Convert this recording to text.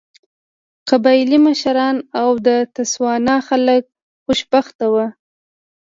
قبایلي مشران او د تسوانا خلک خوشبخته وو.